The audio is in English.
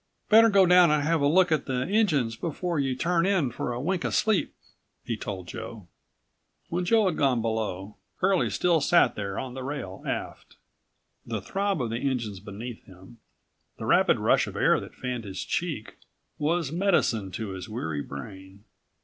"Better go down and have a look at the engines before you turn in for a wink of sleep," he told Joe. When Joe had gone below, Curlie still sat there on the rail aft. The throb of the engines beneath him, the rapid rush of air that fanned his cheek, was medicine to his weary brain.